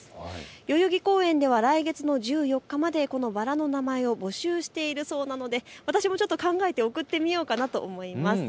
代々木公園では来月の１４日までこのバラの名前を募集しているそうなので私もちょっと考えて送ってみようかなと思います。